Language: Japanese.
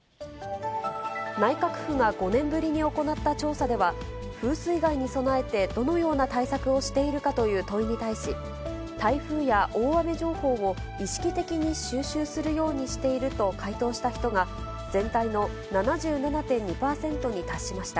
内閣府が５年ぶりに行った調査では、風水害に備えてどのような対策をしているかという問いに対し、台風や大雨情報を意識的に収集するようにしていると回答した人が、全体の７７．２％に達しました。